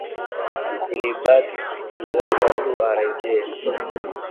Ilibaki siku moja tu arejee